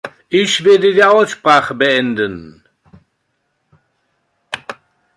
Ich werde die Aussprache beenden.